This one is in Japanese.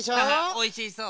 おいしそう。